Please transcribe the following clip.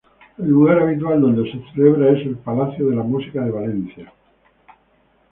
El lugar habitual donde se celebra es el Palacio de la Música de Valencia.